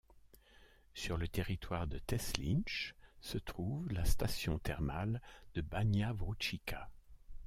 Sur le territoire de Teslić se trouve la station thermale de Banja Vrućica.